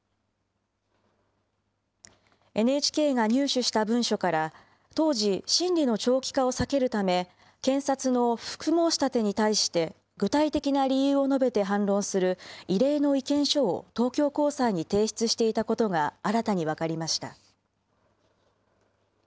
ＮＨＫが入手した文書から、当時、審理の長期化を避けるため、検察の不服申し立てに対して、具体的な理由を述べて反論する異例の意見書を東京高裁に提出していたことが、新たに分かりました。